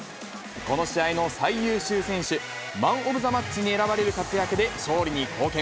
この試合の最優秀選手、マン・オブ・ザ・マッチに選ばれる活躍で勝利に貢献。